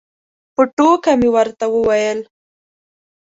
په ټوکه مې ورته وویل.